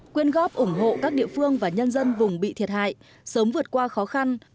quyên góp ủng hộ các địa phương và nhân dân vùng bị thiệt hại sớm vượt qua khó khăn